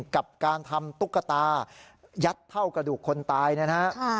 กับการทำตุ๊กตายัดเท่ากระดูกคนตายนะฮะ